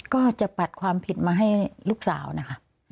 ก็จะปัดความผิดมาให้ลูกสาวนะคะ